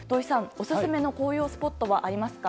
オススメの紅葉スポットはありますか？